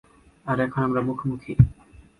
আর এখন আমরা মুখোমুখি!